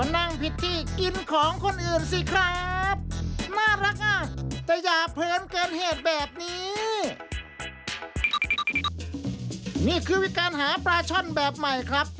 นี่คือวิธีการหาปลาช่อนแบบใหม่ครับ